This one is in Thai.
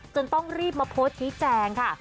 ต้องรีบมาโพสต์ชี้แจงค่ะ